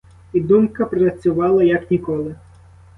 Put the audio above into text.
І думка працювала як ніколи.